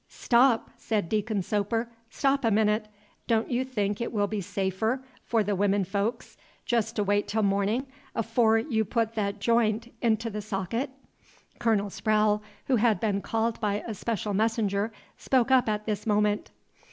"Stop," said Deacon Soper, "stop a minute. Don't you think it will be safer for the women folks jest to wait till mornin', afore you put that j'int into the socket?" Colonel Sprowle, who had been called by a special messenger, spoke up at this moment.